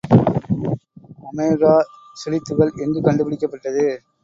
Omega சுழித்துகள் எங்குக் கண்டுபிடிக்கப்பட்டது.